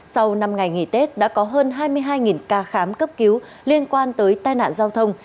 sau năm ngày nghỉ tết đã có hơn hai mươi hai ca khám cấp cứu liên quan tới tai nạn giao thông